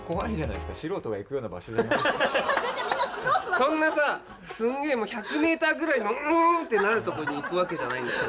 そんなさすんげえもう１００メーターぐらいの「ンッ」ってなるとこに行くわけじゃないんだから。